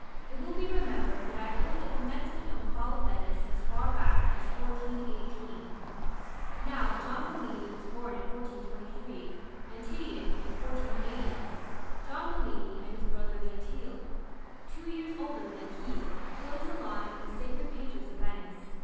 It will be remembered that I put the commencement of the Fall of Venice as far back as 1418. Now, John Bellini was born in 1423, and Titian in 1480. John Bellini, and his brother Gentile, two years older than he, close the line of the sacred painters of Venice.